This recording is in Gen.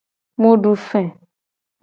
Mu du fe.